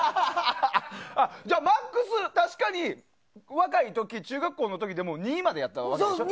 じゃあ、マックス確かに若い時、中学校の時は２までやったわけでしょ？